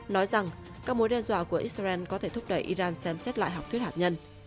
nói rằng các mối đe dọa của israel có thể thúc đẩy iran xem xét lại học thuyết hạt nhân